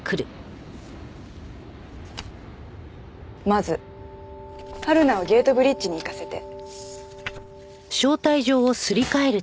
まずはるなをゲートブリッジに行かせて。